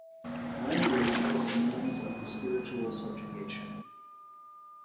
Language was the means of the spiritual subjugation.